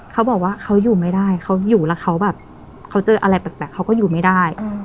เขาบอกว่าเขาอยู่ไม่ได้เขาอยู่แล้วเขาแบบเขาเจออะไรแปลกเขาก็อยู่ไม่ได้